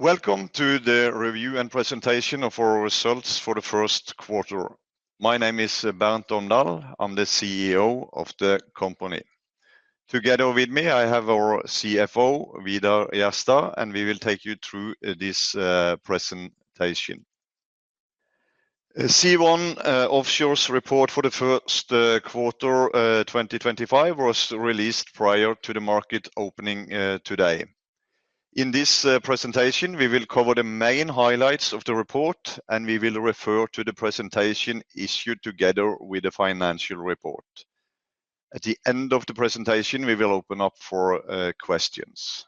Welcome to the review and presentation of our results for the first quarter. My name is Bernt Omdal, I'm the CEO of the company. Together with me, I have our CFO, Vidar Jerstad, and we will take you through this presentation. Sea1 Offshore's report for the first quarter 2025 was released prior to the market opening today. In this presentation, we will cover the main highlights of the report, and we will refer to the presentation issued together with the financial report. At the end of the presentation, we will open up for questions.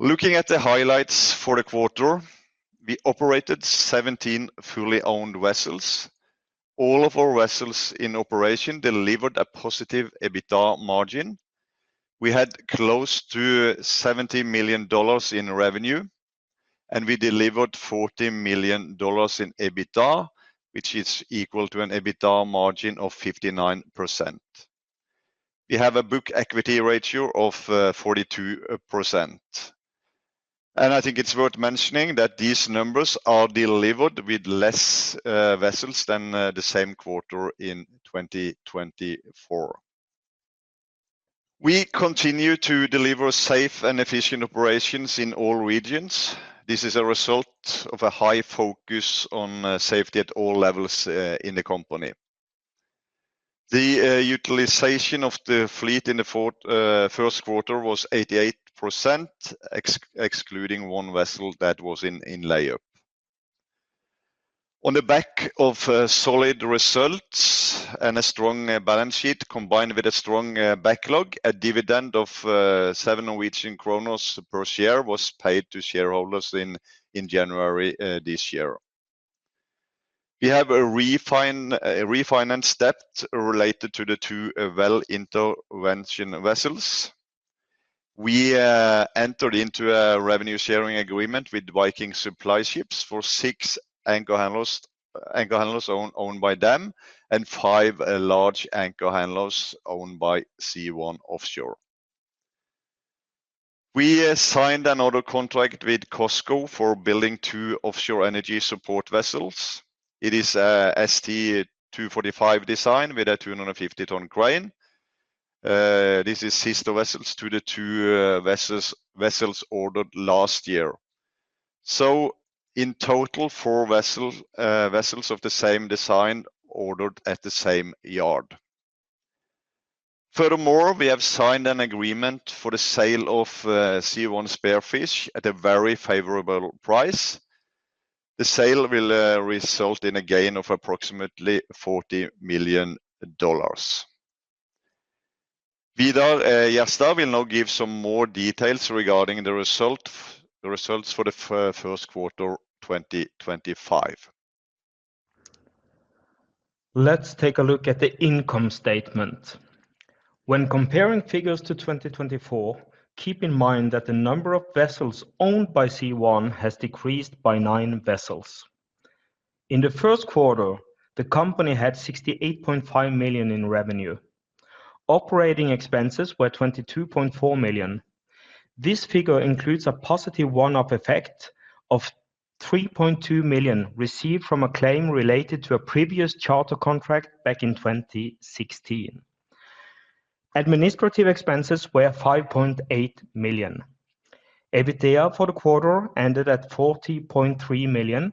Looking at the highlights for the quarter, we operated 17 fully owned vessels. All of our vessels in operation delivered a positive EBITDA margin. We had close to $70 million in revenue, and we delivered $40 million in EBITDA, which is equal to an EBITDA margin of 59%. We have a book equity ratio of 42%. I think it's worth mentioning that these numbers are delivered with fewer vessels than the same quarter in 2024. We continue to deliver safe and efficient operations in all regions. This is a result of a high focus on safety at all levels in the company. The utilization of the fleet in the first quarter was 88%, excluding one vessel that was in layup. On the back of solid results and a strong balance sheet combined with a strong backlog, a dividend of 7 per share was paid to shareholders in January this year. We have a refinance debt related to the two well intervention vessels. We entered into a revenue sharing agreement with Viking Supply Ships for six anchor handlers owned by them and five large anchor handlers owned by Sea1 Offshore. We signed another contract with COSCO for building two offshore energy support vessels. It is an ST245 design with a 250-ton crane. This is a sister vessel to the two vessels ordered last year. In total, four vessels of the same design ordered at the same yard. Furthermore, we have signed an agreement for the sale of Sea1 Spearfish at a very favorable price. The sale will result in a gain of approximately $40 million. Vidar Jerstad will now give some more details regarding the results for the first quarter 2025. Let's take a look at the income statement. When comparing figures to 2024, keep in mind that the number of vessels owned by Sea1 has decreased by nine vessels. In the first quarter, the company had $68.5 million in revenue. Operating expenses were $22.4 million. This figure includes a positive one-off effect of $3.2 million received from a claim related to a previous charter contract back in 2016. Administrative expenses were $5.8 million. EBITDA for the quarter ended at $40.3 million.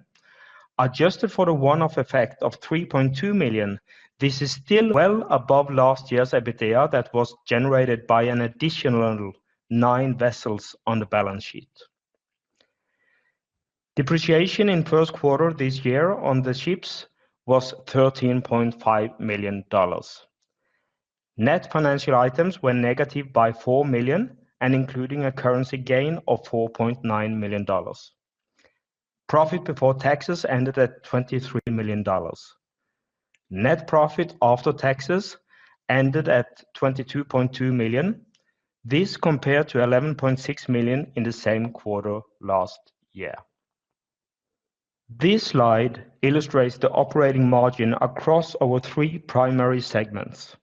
Adjusted for the one-off effect of $3.2 million, this is still well above last year's EBITDA that was generated by an additional nine vessels on the balance sheet. Depreciation in the first quarter this year on the ships was $13.5 million. Net financial items were negative by $4 million and including a currency gain of $4.9 million. Profit before taxes ended at $23 million. Net profit after taxes ended at $22.2 million. This compared to $11.6 million in the same quarter last year. This slide illustrates the operating margin across our three primary segments.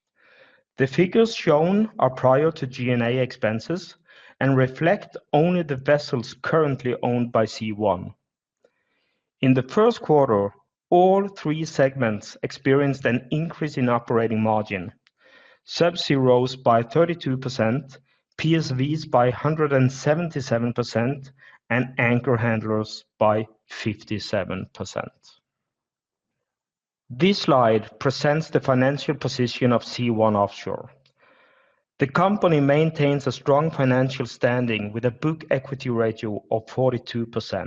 The figures shown are prior to G&A expenses and reflect only the vessels currently owned by Sea1. In the first quarter, all three segments experienced an increase in operating margin. Subsea rose by 32%, PSVs by 177%, and anchor handlers by 57%. This slide presents the financial position of Sea1 Offshore. The company maintains a strong financial standing with a book equity ratio of 42%.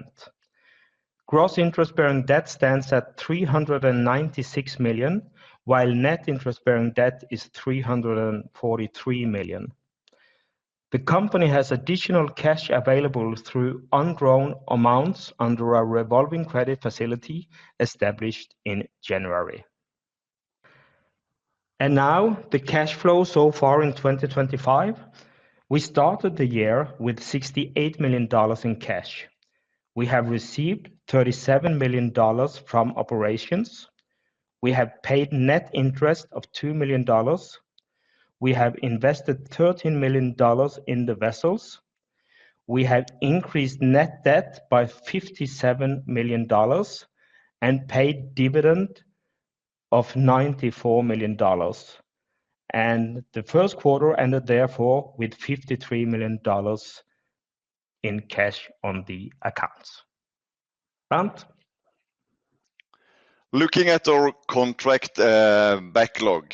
Gross interest-bearing debt stands at $396 million, while net interest-bearing debt is $343 million. The company has additional cash available through unground amounts under a revolving credit facility established in January. The cash flow so far in 2025. We started the year with $68 million in cash. We have received $37 million from operations. We have paid net interest of $2 million. We have invested $13 million in the vessels. We have increased net debt by $57 million and paid dividend of NOK 94 million. The first quarter ended therefore with $53 million in cash on the accounts. Bernt? Looking at our contract backlog,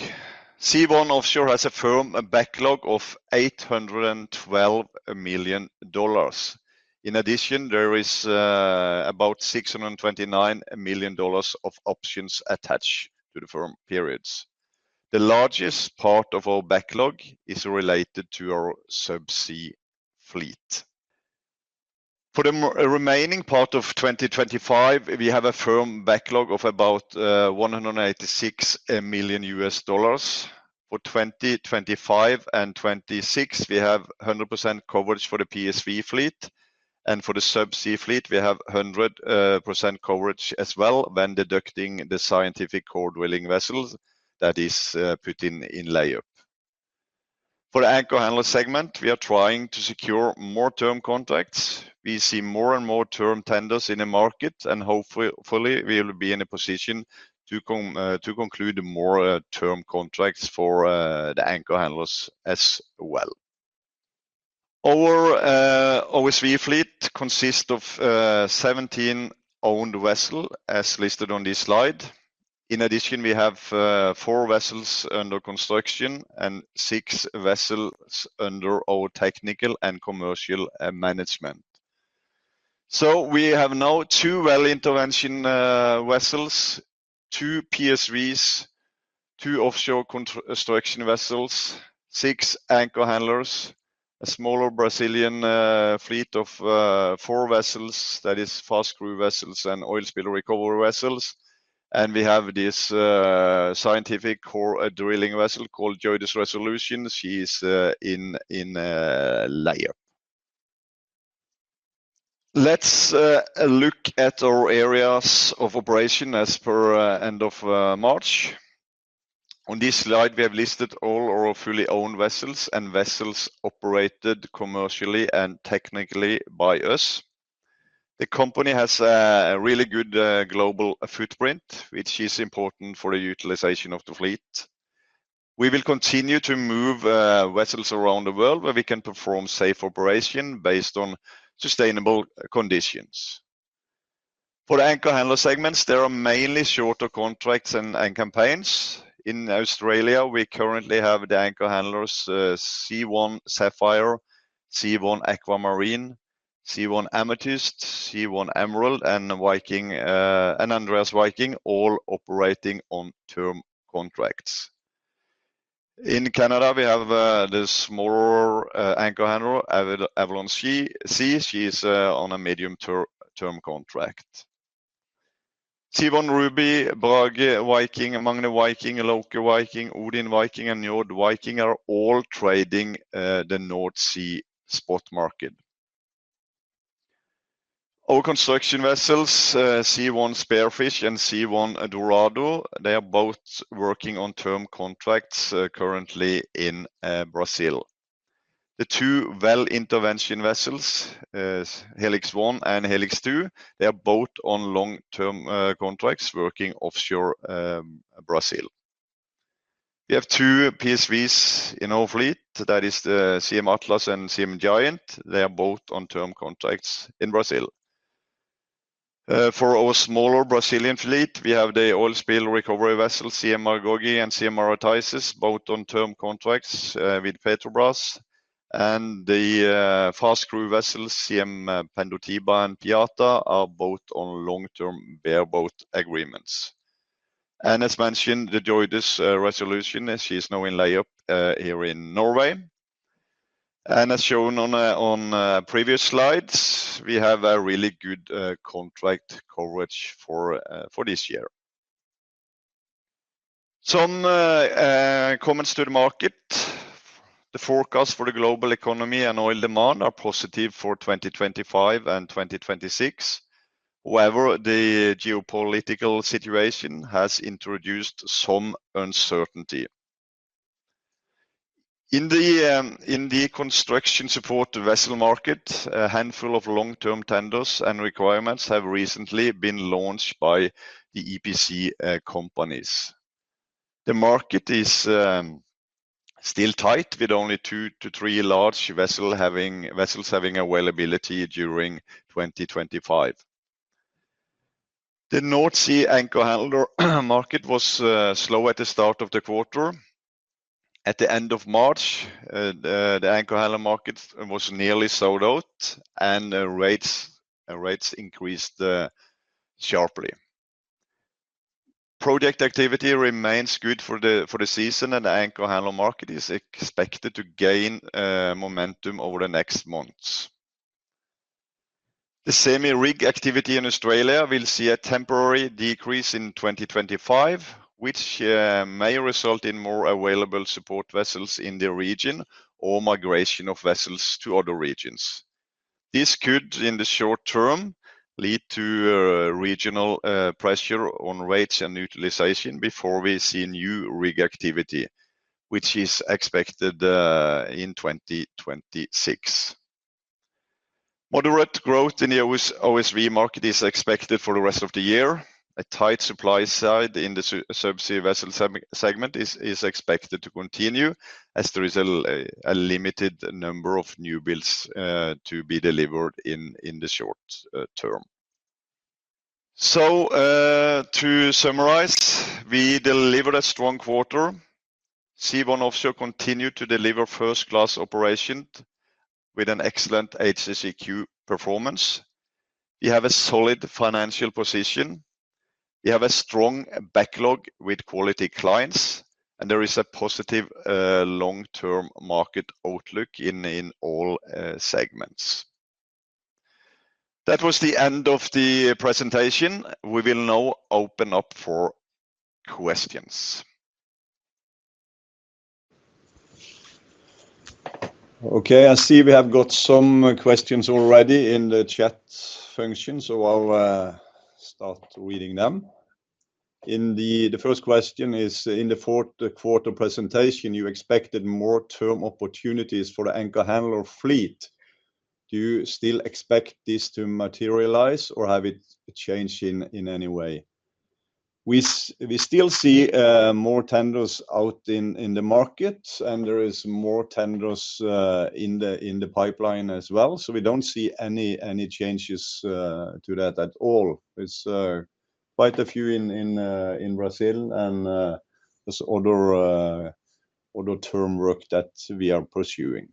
Sea1 Offshore has a firm backlog of $812 million. In addition, there is about $629 million of options attached to the firm periods. The largest part of our backlog is related to our subsea fleet. For the remaining part of 2025, we have a firm backlog of about $186 million US dollars. For 2025 and 2026, we have 100% coverage for the PSV fleet. For the subsea fleet, we have 100% coverage as well, when deducting the scientific core drilling vessels that is put in layup. For the anchor handler segment, we are trying to secure more term contracts. We see more and more term tenders in the market, and hopefully, we will be in a position to conclude more term contracts for the anchor handlers as well. Our OSV fleet consists of 17 owned vessels, as listed on this slide. In addition, we have four vessels under construction and six vessels under our technical and commercial management. We have now two well intervention vessels, two PSVs, two offshore construction vessels, six anchor handlers, a smaller Brazilian fleet of four vessels that is fast crew vessels and oil spill recovery vessels. We have this scientific core drilling vessel called Joyous Resolution. She is in layup. Let's look at our areas of operation as per end of March. On this slide, we have listed all our fully owned vessels and vessels operated commercially and technically by us. The company has a really good global footprint, which is important for the utilization of the fleet. We will continue to move vessels around the world where we can perform safe operation based on sustainable conditions. For the anchor handler segments, there are mainly shorter contracts and campaigns. In Australia, we currently have the anchor handlers Sea1 Sapphire, Sea1 Aquamarine, Sea1 Amethyst, Sea1 Emerald, and Andreas Viking, all operating on term contracts. In Canada, we have the smaller anchor handler, Avalon Sea. She is on a medium term contract. Sea1 Ruby, Bragg Viking, Magne Viking, Loke Viking, Odin Viking, and Nord Viking are all trading the North Sea spot market. Our construction vessels, Sea1 Spearfish and Sea1 Dorado, they are both working on term contracts currently in Brazil. The two well intervention vessels, Helix 1 and Helix 2, they are both on long-term contracts working offshore Brazil. We have two PSVs in our fleet, that is the CM Atlas and CM Giant. They are both on term contracts in Brazil. For our smaller Brazilian fleet, we have the oil spill recovery vessel CM Argogy and CM Arrotizes, both on term contracts with Petrobras. The fast crew vessels CM Pendotiba and Piata are both on long-term bareboat agreements. As mentioned, the Joyous Resolution, she is now in layup here in Norway. As shown on previous slides, we have a really good contract coverage for this year. Some comments to the market. The forecast for the global economy and oil demand are positive for 2025 and 2026. However, the geopolitical situation has introduced some uncertainty. In the construction support vessel market, a handful of long-term tenders and requirements have recently been launched by the EPC companies. The market is still tight, with only two to three large vessels having availability during 2025. The North Sea anchor handler market was slow at the start of the quarter. At the end of March, the anchor handler market was nearly sold out, and rates increased sharply. Project activity remains good for the season, and the anchor handler market is expected to gain momentum over the next months. The semi-rig activity in Australia will see a temporary decrease in 2025, which may result in more available support vessels in the region or migration of vessels to other regions. This could, in the short term, lead to regional pressure on rates and utilization before we see new rig activity, which is expected in 2026. Moderate growth in the OSV market is expected for the rest of the year. A tight supply side in the subsea vessel segment is expected to continue as there is a limited number of new builds to be delivered in the short term. To summarize, we delivered a strong quarter. Sea1 Offshore continued to deliver first-class operations with an excellent HSEQ performance. We have a solid financial position. We have a strong backlog with quality clients, and there is a positive long-term market outlook in all segments. That was the end of the presentation. We will now open up for questions. Okay, I see we have got some questions already in the chat function, so I'll start reading them. The first question is, in the fourth quarter presentation, you expected more term opportunities for the anchor handler fleet. Do you still expect this to materialize, or have it changed in any way? We still see more tenders out in the market, and there are more tenders in the pipeline as well, so we don't see any changes to that at all. There are quite a few in Brazil and there is other term work that we are pursuing.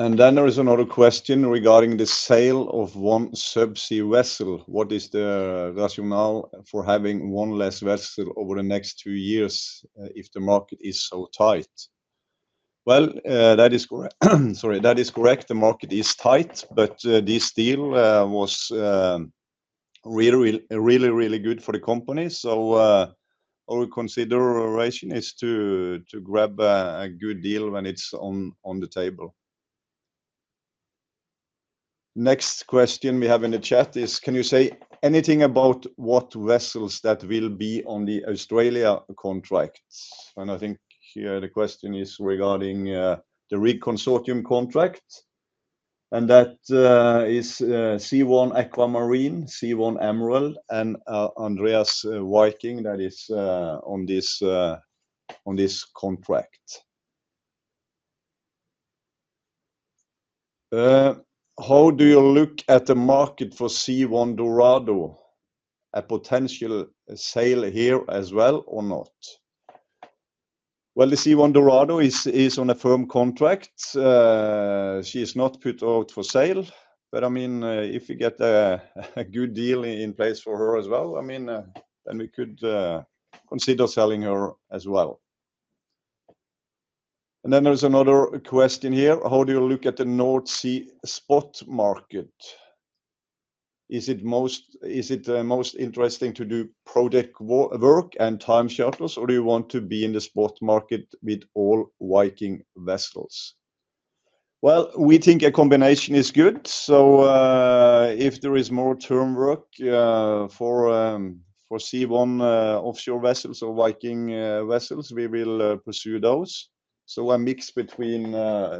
There is another question regarding the sale of one subsea vessel. What is the rationale for having one less vessel over the next two years if the market is so tight? That is correct. The market is tight, but this deal was really, really good for the company. Our consideration is to grab a good deal when it is on the table. Next question we have in the chat is, can you say anything about what vessels that will be on the Australia contract? I think here the question is regarding the rig consortium contract. That is Sea1 Aquamarine, Sea1 Emerald, and Andreas Viking that is on this contract. How do you look at the market for Sea1 Dorado? A potential sale here as well or not? The Sea1 Dorado is on a firm contract. She is not put out for sale, but I mean, if we get a good deal in place for her as well, I mean, then we could consider selling her as well. There is another question here. How do you look at the North Sea spot market? Is it most interesting to do project work and time shuttles, or do you want to be in the spot market with all Viking vessels? We think a combination is good. If there is more term work for Sea1 Offshore vessels or Viking vessels, we will pursue those. A mix between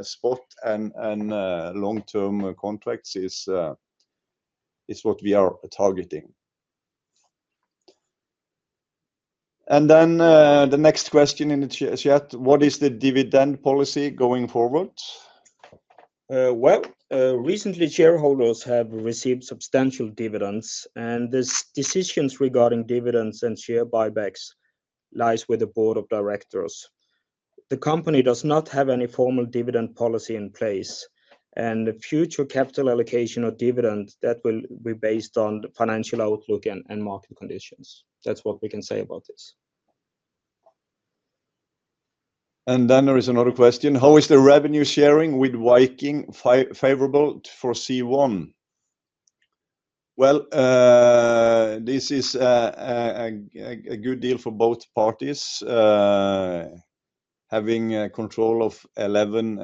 spot and long-term contracts is what we are targeting. The next question in the chat, what is the dividend policy going forward? Recently, shareholders have received substantial dividends, and the decisions regarding dividends and share buybacks lie with the board of directors. The company does not have any formal dividend policy in place, and the future capital allocation of dividends will be based on financial outlook and market conditions. That's what we can say about this. There is another question. How is the revenue sharing with Viking favorable for Sea1? This is a good deal for both parties. Having control of 11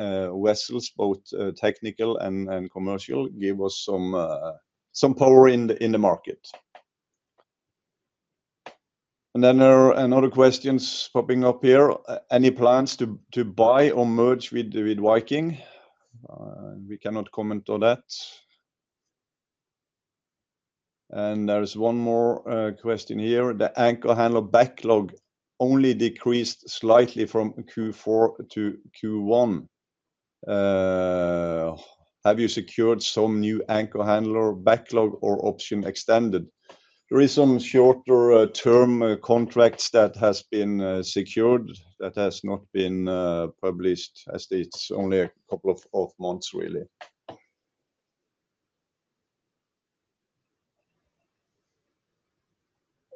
vessels, both technical and commercial, gives us some power in the market. There are other questions popping up here. Any plans to buy or merge with Viking? We cannot comment on that. There is one more question here. The anchor handler backlog only decreased slightly from Q4 to Q1. Have you secured some new anchor handler backlog or option extended? There are some shorter-term contracts that have been secured that have not been published as it is only a couple of months, really.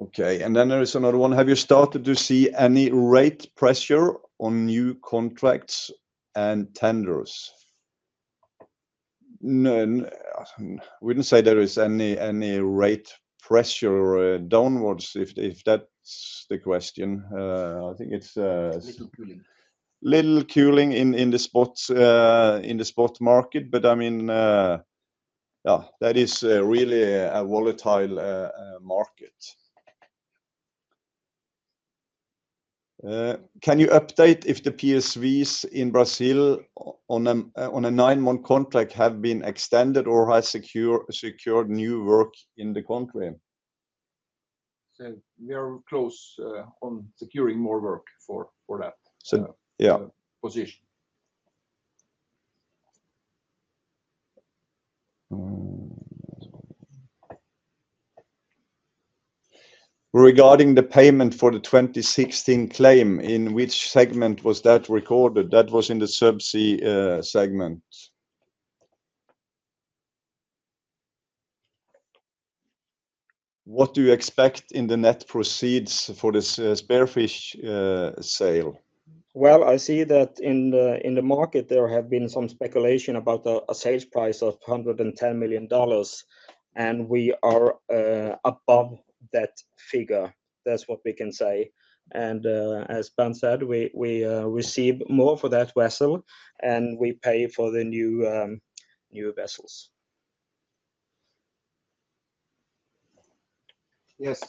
Okay, there is another one. Have you started to see any rate pressure on new contracts and tenders? We would not say there is any rate pressure downwards if that is the question. I think it's a little cooling in the spot market, but I mean, yeah, that is really a volatile market. Can you update if the PSVs in Brazil on a nine-month contract have been extended or have secured new work in the country? We are close on securing more work for that position. Regarding the payment for the 2016 claim, in which segment was that recorded? That was in the subsea segment. What do you expect in the net proceeds for the Spearfish sale? I see that in the market, there has been some speculation about a sales price of $110 million, and we are above that figure. That is what we can say. As Ben said, we receive more for that vessel, and we pay for the new vessels. Yes,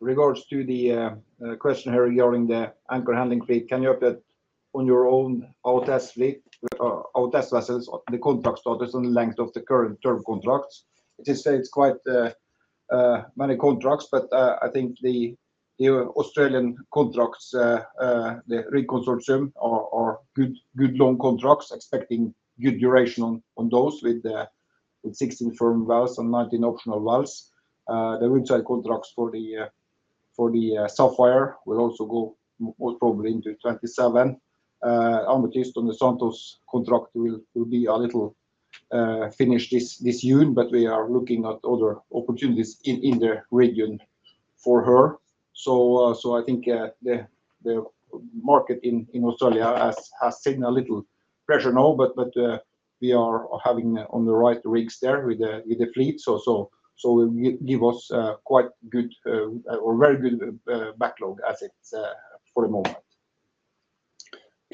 regards to the question here regarding the anchor handling fleet, can you update on your own out-ass fleet, out-ass vessels, the contract status and the length of the current term contracts? It is quite many contracts, but I think the Australian contracts, the rig consortium, are good long contracts, expecting good duration on those with 16 firm vessels and 19 optional vessels. The retail contracts for the Sapphire will also go most probably into 2027. Amethyst and the Santos contract will be a little finished this June, but we are looking at other opportunities in the region for her. I think the market in Australia has seen a little pressure now, but we are having on the right rigs there with the fleet, so it will give us quite good or very good backlog assets for the moment.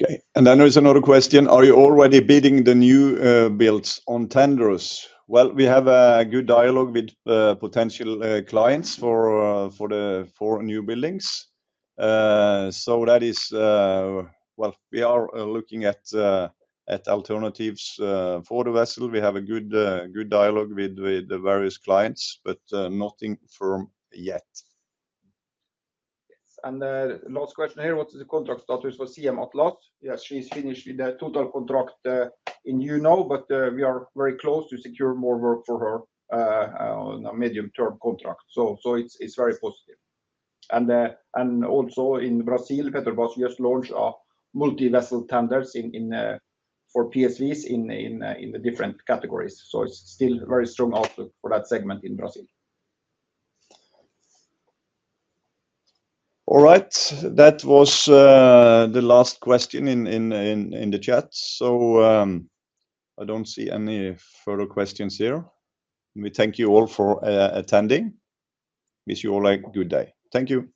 Okay, and then there is another question. Are you already bidding the new builds on tenders? We have a good dialogue with potential clients for new buildings. That is, we are looking at alternatives for the vessel. We have a good dialogue with various clients, but nothing firm yet. Last question here, what is the contract status for CM Atlas? Yes, she's finished with the total contract in June now, but we are very close to secure more work for her on a medium-term contract. It is very positive. Also in Brazil, Petrobras just launched multi-vessel tenders for PSVs in the different categories. It is still a very strong outlook for that segment in Brazil. All right, that was the last question in the chat. I do not see any further questions here. We thank you all for attending. Wish you all a good day. Thank you.